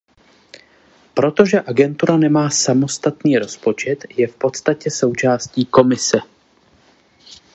Protože agentura nemá samostatný rozpočet, je v podstatě součástí Komise.